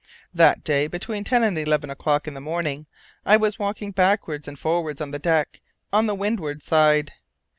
That day, between ten and eleven o'clock in the morning, I was walking backwards and forwards on the deck, on the windward side.